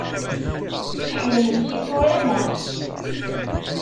Tḥemmlemt isura, naɣ?